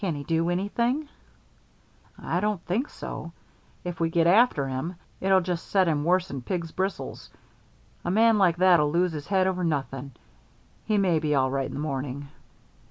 "Can he do anything?" "I don't think so. If we get after him, it'll just set him worse'n pig's bristles. A man like that'll lose his head over nothing. He may be all right in the morning."